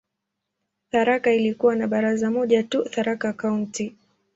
Tharaka ilikuwa na baraza moja tu, "Tharaka County".